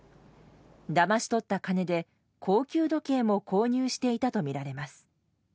だまし取った金で高級時計も購入していたとみられます。